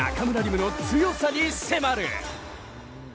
夢の強さに迫る。